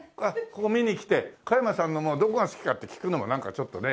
加山さんのどこが好きかって聞くのもなんかちょっとね